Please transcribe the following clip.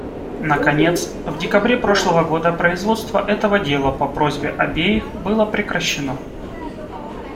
Наконец, в декабре прошлого года производство этого дела по просьбе обеих было прекращено.